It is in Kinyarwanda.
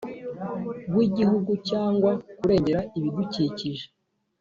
w Igihugu cyangwa kurengera ibidukikije